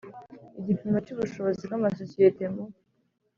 Igipimo cy ubushobozi bw amasosiyete mu